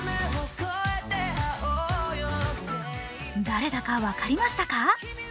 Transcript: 誰だか分かりましたか？